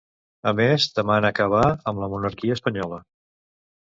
A més, demana acabar amb la monarquia espanyola.